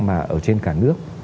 mà ở trên cả nước